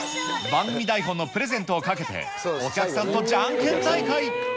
番組台本のプレゼントをかけて、お客さんとじゃんけん大会。